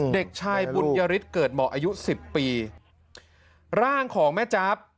เด็กชายบุญยฤทธิเกิดเหมาะอายุสิบปีร่างของแม่จ๊าบ